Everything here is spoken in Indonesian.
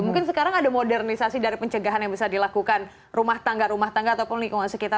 mungkin sekarang ada modernisasi dari pencegahan yang bisa dilakukan rumah tangga rumah tangga ataupun lingkungan sekitar